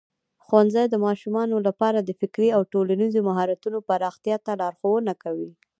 ښوونځی د ماشومانو لپاره د فکري او ټولنیزو مهارتونو پراختیا ته لارښوونه کوي.